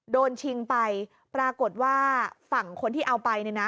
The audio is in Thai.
ชิงไปปรากฏว่าฝั่งคนที่เอาไปเนี่ยนะ